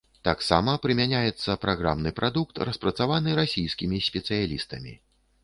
Таксама прымяняецца праграмны прадукт, распрацаваны расійскімі спецыялістамі.